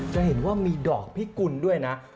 จะเห็นว่ามีดอกพิกุลด้วยนะ